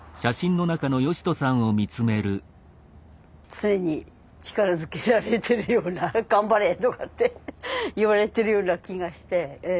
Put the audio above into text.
常に力づけられてるような頑張れとかって言われてるような気がしてうん。